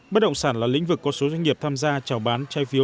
bất động sản là lĩnh vực có số doanh nghiệp tham gia trào bán trái phiếu